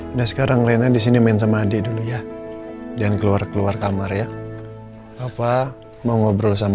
udah sekarang lena disini main sama adik dulu ya dan keluar keluar kamar ya apa mau ngobrol sama